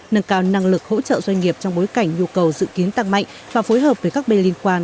nâng cao năng lực hỗ trợ doanh nghiệp trong bối cảnh nhu cầu dự kiến tăng mạnh và phối hợp với các bên liên quan